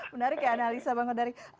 menarik ya analisa bang kodari